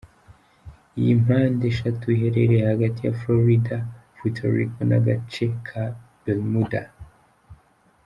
Iyi mpande eshatu iherereye hagati ya Florida, Puerto Rico, n’agace ka Bermuda .